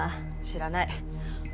知らない。